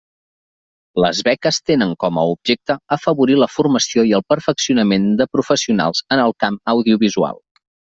Les beques tenen com a objecte afavorir la formació i el perfeccionament de professionals en el camp audiovisual.